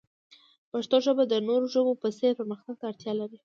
پښتو ژبه د نورو ژبو په څیر پرمختګ ته اړتیا لري.